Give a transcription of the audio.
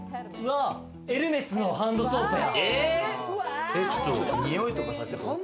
エルメスのハンドソープや。